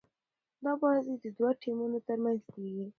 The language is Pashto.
دا بازي د دوه ټيمونو تر منځ کیږي.